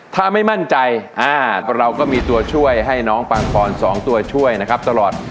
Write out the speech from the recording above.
ถ้าไม่มั่นใจเราก็มีตัวช่วยให้น้องปังปอน๒ตัวช่วยนะครับตลอด